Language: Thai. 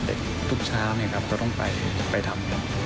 เด็กทุกเช้าก็ต้องไปทำ